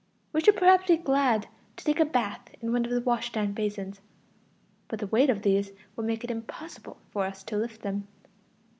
We should perhaps be glad to take a bath in one of the washstand basins; but the weight of these would make it impossible for us to lift them.